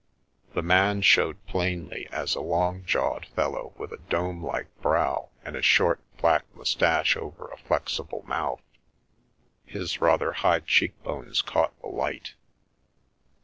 The man showed plainly as a long jawed fellow with a dome like brow and a short, black moustache over a flexible mouth ; his rather high cheek bones caught the light.